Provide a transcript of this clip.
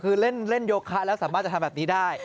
คือเล่นโยคะแล้วสามารถจะทำแบบนี้ได้